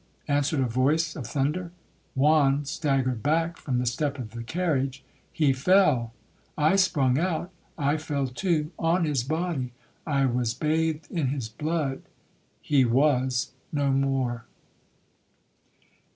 answered a voice of thunder. Juan staggered back from the step of the carriage,—he fell. I sprung out, I fell too—on his body. I was bathed in his blood,—he was no more.'